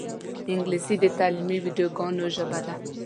انګلیسي د تعلیمي ویدیوګانو ژبه ده